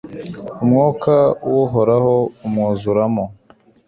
umwuka w'uhoraho umwuzuramo